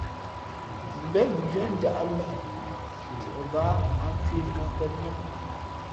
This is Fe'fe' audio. Mbén mʉnzhwē njāʼlī ntie bāā ǎ ncwēh mōō pēn lά.